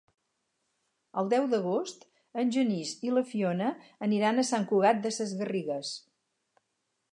El deu d'agost en Genís i na Fiona aniran a Sant Cugat Sesgarrigues.